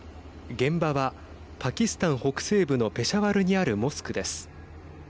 現場はパキスタン北西部のペシャワルにあるモスクです。